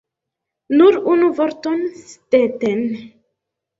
Nur unu vorton, Stetten!